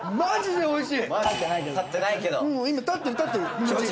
マジで美味しい。